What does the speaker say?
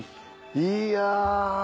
いや。